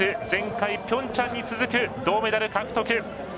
前回ピョンチャンに続く銅メダル獲得。